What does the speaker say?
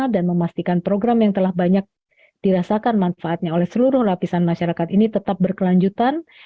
dan memastikan program yang telah banyak dirasakan manfaatnya oleh seluruh lapisan masyarakat ini tetap berkelanjutan